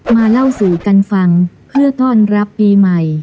มาเล่าสู่กันฟังเพื่อต้อนรับปีใหม่